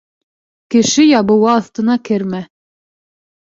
Кеше ябыуы аҫтына кермә.